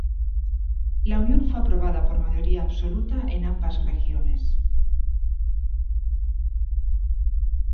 La unión fue aprobada por mayoría absoluta en ambas regiones.